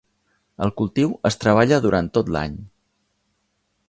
El cultiu es treballa durant tot l"any.